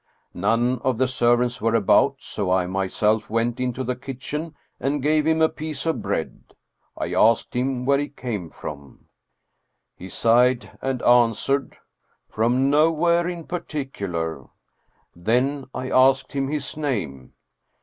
None of the servants were about, so I myself went into the kitchen and gave him a piece of bread. I asked him where he came from. He sighed and answered: " From nowhere in particular." Then I asked him his name.